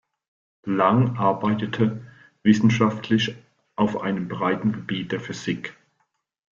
Lang arbeitete wissenschaftlich auf einem breiten Gebiet der Physik.